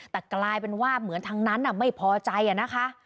แต่กลายเป็นว่าเหมือนทางนั้นไม่พอใจนะคะ